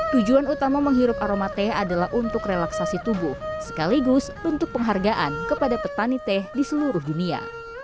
tujuan utama menghirup aroma teh adalah untuk relaksasi tubuh sekaligus bentuk penghargaan kepada petani teh di seluruh dunia